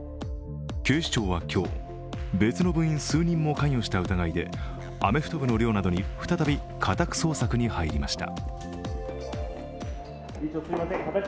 警視庁は今日、別の部員数人も関与した疑いでアメフト部の寮などに再び家宅捜索に入りました。